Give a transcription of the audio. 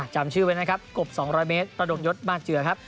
จำชื่อไว้นะครับกบ๒๐๐เมตรระดมยศมาเจือครับ